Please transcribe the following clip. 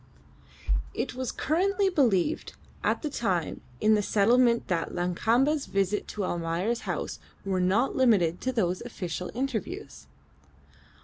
It was currently believed at that time in the settlement that Lakamba's visits to Almayer's house were not limited to those official interviews.